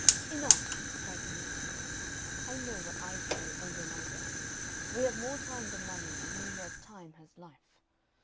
"Enough!" cried Miuccio, "I know what I carry under my belt; we have more time than money, and he who has time has life."